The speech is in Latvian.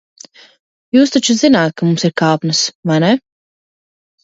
Jūs taču zināt, ka mums ir kāpnes, vai ne?